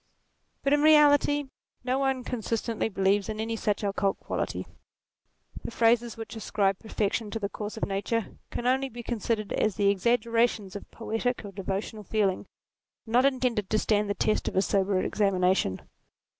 But, in reality, no one consistently believes in any such occult quality. The phrases which ascribe perfection to the course of nature can only be con sidered as the exaggerations of poetic or devotional feeling, not intended to stand the test of a sober examination.